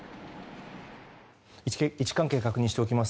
位置関係を確認しておきます。